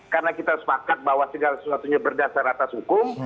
karena kita sepakat bahwa segala sesuatunya berdasar atas hukum